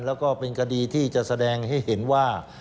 แล้วก็เป็นคดีที่จะแสดงให้เห็นว่า